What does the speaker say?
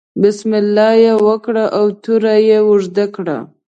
بسم الله یې وکړه او توره یې اوږده کړه.